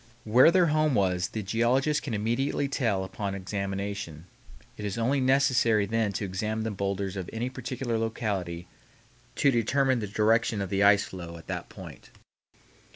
Where their home was the geologist can immediately tell upon examination. It is only necessary then to examine the bowlders of any particular locality to determine the direction of the ice flow at that point.